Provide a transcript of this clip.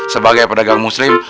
sebagai pedagang muslim